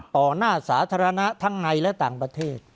หน้าสาธารณะทั้งในและต่างประเทศ